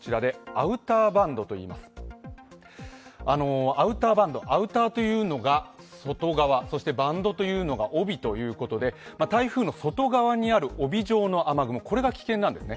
アウターバンド、アウターというのが外側、バンドというのが帯ということで台風の外側にある帯状の雨雲、これが危険なんですね。